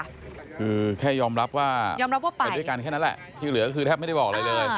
คือแค่ยอมรับว่ายอมรับว่าไปด้วยกันแค่นั้นแหละที่เหลือก็คือแทบไม่ได้บอกอะไรเลย